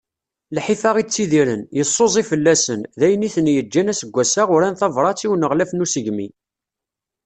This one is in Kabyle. Lḥif-a i ttidiren, yeṣṣuẓi fell-asen, d ayen i ten-yeǧǧan aseggas-a uran tabrat i uneɣlaf n usegmi